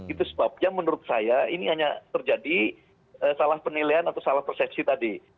itu sebabnya menurut saya ini hanya terjadi salah penilaian atau salah persepsi tadi